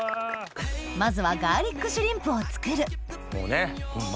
まずはガーリックシュリンプを作るもうねホンマ